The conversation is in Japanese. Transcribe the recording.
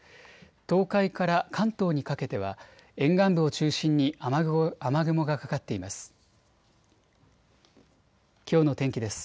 東海から関東にかけては沿岸部を中心に雨雲がかかっています。